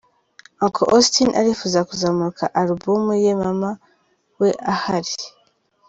Uncle Austin arifuza kuzamurika alubumu ye Mama we ahari.